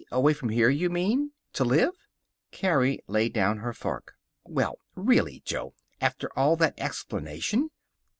Away from here, you mean to live?" Carrie laid down her fork. "Well, really, Jo! After all that explanation."